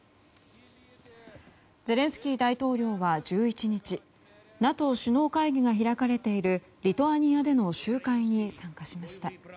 ゼレンスキー大統領は１１日ＮＡＴＯ首脳会議が開かれているリトアニアでの集会に参加しました。